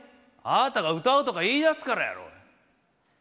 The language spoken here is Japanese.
あなたが歌うとか言いだすからやろ。